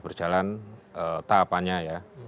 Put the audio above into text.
berjalan tahapannya ya